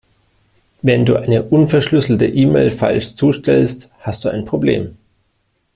Wenn du eine unverschlüsselte E-Mail falsch zustellst, hast du ein Problem.